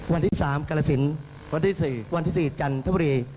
วันที่๓กระละสินวันที่๔จันทวรี